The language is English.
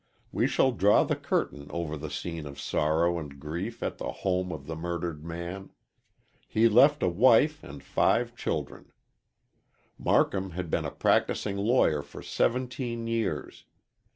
We shall draw the curtain over the scene of sorrow and grief at the home of the murdered man. He left a wife and five children. Marcum had been a practising lawyer for seventeen years.